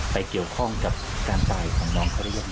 เกี่ยวข้องกับการตายของน้องเขาหรือยังไง